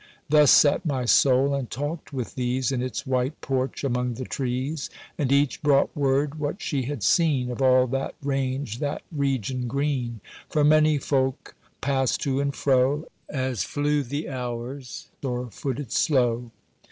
Thus sate my soul and talked with these In its white porch among the trees; And each brought word what she had seen Of all that ranged that region green: For many folk passed to and fro, As flew the hours or footed slow.